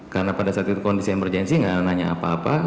karena pada saat itu kondisi emergency gak nanya apa apa